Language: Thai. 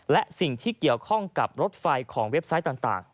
และสิ่งที่เกี่ยวข้องกับรถไฟของเว็บไซต์ต่าง